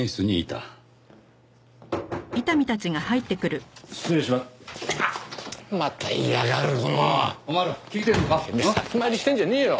てめえ先回りしてんじゃねえよ！